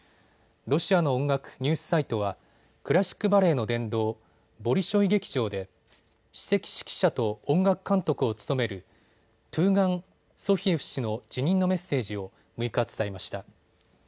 ロシアの音楽ニュースサイトはクラシックバレエの殿堂、ボリショイ劇場で首席指揮者と音楽監督を務めるトゥガン・ソヒエフ氏の辞任のメッセージを６日伝えました。